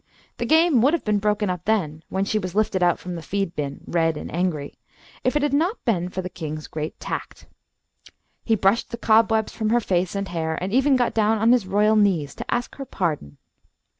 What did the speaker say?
The game would have been broken up then, when she was lifted out from the feed bin, red and angry, if it had not been for the king's great tact. He brushed the cobwebs from her face and hair, and even got down on his royal knees to ask her pardon.